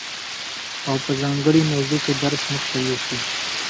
او په ځانګړي موضوع کي درس مخته يوسي،